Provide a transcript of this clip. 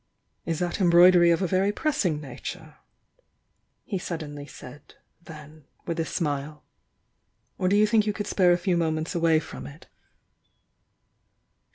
"Is that embroidery of a very pressing nature?" he suddenly said, then, with a smile. "Or do you think you could spare a few moments away from it?"